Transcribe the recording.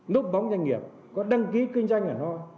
núp bóng doanh nghiệp có đăng ký kinh doanh ở đâu